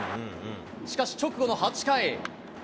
しかし直後の８回。